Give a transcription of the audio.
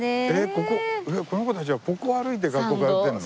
ここえっこの子たちはここを歩いて学校通ってるの？